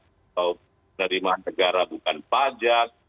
atau penerimaan negara bukan pajak